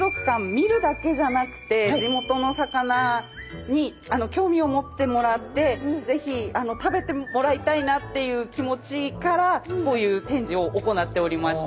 見るだけじゃなくて地元の魚に興味を持ってもらって是非食べてもらいたいなっていう気持ちからこういう展示を行っておりました。